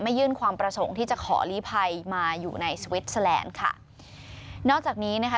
ยื่นความประสงค์ที่จะขอลีภัยมาอยู่ในสวิสเตอร์แลนด์ค่ะนอกจากนี้นะคะ